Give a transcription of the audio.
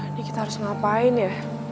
ini kita harus ngapain ya